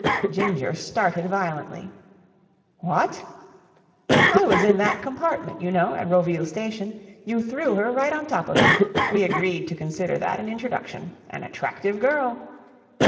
Ginger started violently. "What!" "I was in that compartment, you know, at Roville Station. You threw her right on top of me. We agreed to consider that an introduction. An attractive girl."